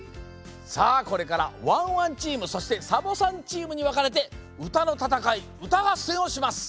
さあこれからワンワンチームそしてサボさんチームにわかれてうたのたたかいうたがっせんをします。